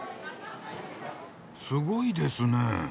すごいですねえ。